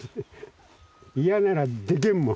嫌ならでけんもん。